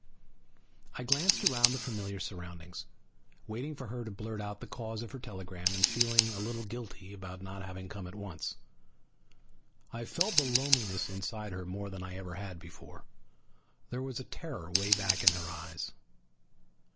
I glanced around the familiar surroundings, waiting for her to blurt out the cause of her telegram, and feeling a little guilty about not having come at once. I felt the loneliness inside her more than I ever had before. There was a terror way back in her eyes.